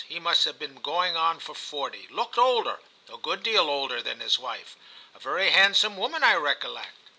He must have been going on for forty; looked older, a good deal older, than his wife ; a very handsome woman I recollect.